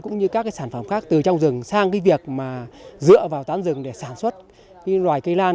cũng như các sản phẩm khác từ trong rừng sang việc mà dựa vào tán rừng để sản xuất loài cây lan